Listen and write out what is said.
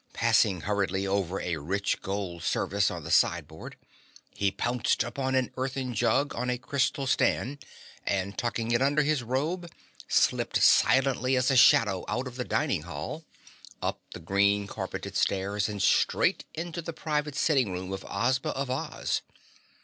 Passing hurriedly over a rich gold service on the sideboard, he pounced upon an earthen jug on a crystal stand and tucking it under his robe, slipped silently as a shadow out of the dining hall, up the green carpeted stairs and straight into the private sitting room of Ozma of Oz.